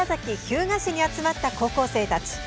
日向市に集まった高校生たち。